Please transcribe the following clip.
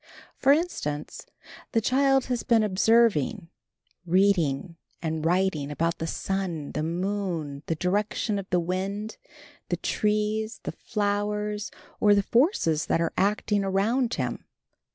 For instance the child has been observing, reading, and writing about the sun, the moon, the direction of the wind, the trees, the flowers, or the forces that are acting around him.